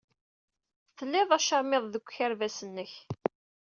Tlid acamiḍ deg ukerbas-nnek.